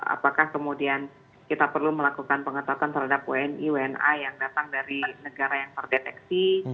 apakah kemudian kita perlu melakukan pengetatan terhadap wni wna yang datang dari negara yang terdeteksi